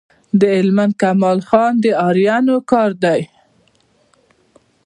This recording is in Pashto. د هلمند کمال خان د آرینو کار دی